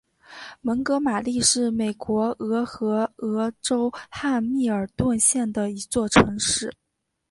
蒙哥马利是美国俄亥俄州汉密尔顿县的一座城市。